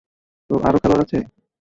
তো আরো খেলোয়াড় আছে?